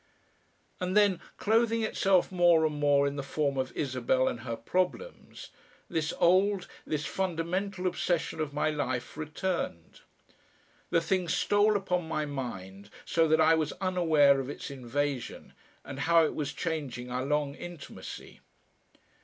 And then, clothing itself more and more in the form of Isabel and her problems, this old, this fundamental obsession of my life returned. The thing stole upon my mind so that I was unaware of its invasion and how it was changing our long intimacy.